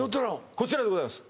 こちらでございます